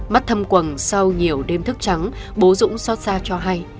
mắt thâm quần sau nhiều đêm thức trắng bố dũng xót xa cho hay